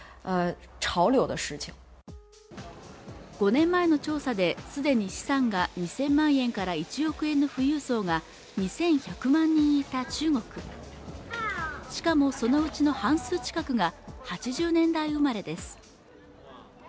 ５年前の調査ですでに資産が２０００万円から１億円の富裕層が２１００万人いた中国しかもそのうちの半数近くが８０年代生まれです